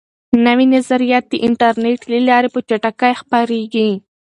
نوي نظریات د انټرنیټ له لارې په چټکۍ خپریږي.